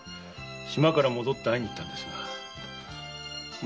島から戻って会いに行ったんですがもうそこには。